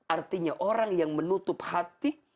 artinya orang yang menutup hati